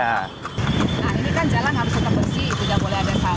nah ini kan jalan harus tetap bersih tidak boleh ada sahur